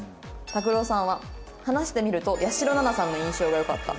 拓郎さんは「話してみると８４６７さんの印象がよかった」。